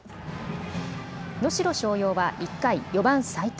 能代松陽は１回、４番・齋藤。